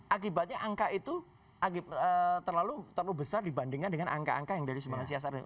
akibatnya angka itu terlalu besar dibandingkan dengan angka angka yang dari sumbang asia sarawak